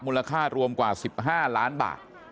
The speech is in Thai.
มูลค่ารวมกว่า๑๕ล้านบาท